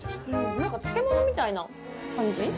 何か漬物みたいな感じ？